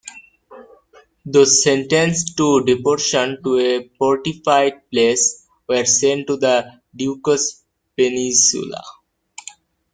Those sentenced to deportation to a fortified place were sent to the Ducos peninsula.